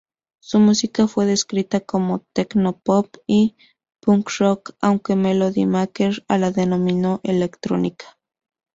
Su música fue descrita como "Tecno-Pop" y "Punk-Rock" aunque Melody Maker la denominó electrónica.